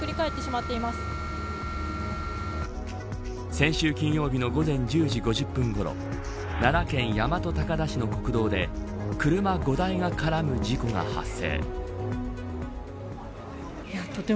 先週金曜日の午前１０時５０分ごろ奈良県大和高田市の国道で車５台が絡む事故が発生。